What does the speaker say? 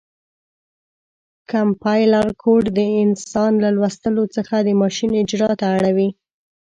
کمپایلر کوډ د انسان له لوستلو څخه د ماشین اجرا ته اړوي.